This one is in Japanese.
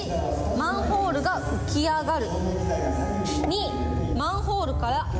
マンホールが浮き上がる。